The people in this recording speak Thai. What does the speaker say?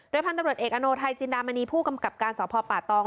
โดยพันธบริเวณเอกอโนไทยจินดามณีผู้กำกับการสอบพอป่าตอง